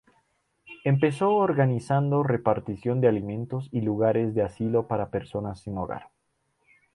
Empezó organizando repartición de alimentos y lugares de asilo para personas sin hogar.